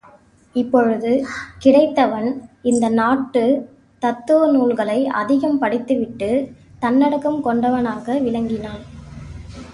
இப்பொழுது கிடைத்தவன் இந்த நாட்டுத் தத்துவ நூல்களை அதிகம் படித்துவிட்டுத் தன்னடக்கம் கொண்டவனாக விளங்கினான்.